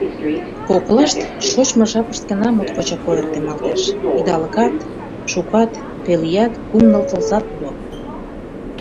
Коклашт, шочмо жапышт гына моткочак ойыртемалтеш: идалыкат, шукат, пел ият, кум-ныл тылзат уло.